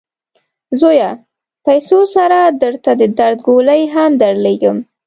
زویه! پیسو سره درته د درد ګولۍ هم درلیږم.